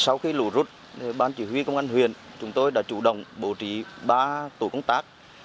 sau khi lũ rút ban chỉ huy công an huyền chúng tôi đã chủ động bổ trí ba tổ công tác